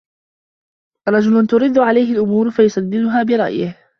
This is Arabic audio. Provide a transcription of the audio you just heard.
رَجُلٌ تَرِدُ عَلَيْهِ الْأُمُورُ فَيُسَدِّدُهَا بِرَأْيِهِ